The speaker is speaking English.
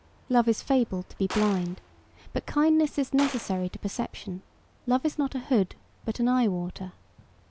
Love is fabled to be blind, but kindness is necessary to perception; love is not a hood, but an eye water.